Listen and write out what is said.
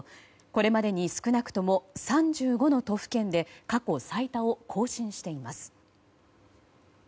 これまでに少なくとも３５の都府県で過去最多を更新しています。